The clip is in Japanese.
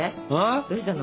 どうしたの？